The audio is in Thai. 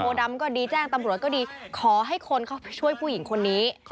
ดำก็ดีแจ้งตำรวจก็ดีขอให้คนเข้าไปช่วยผู้หญิงคนนี้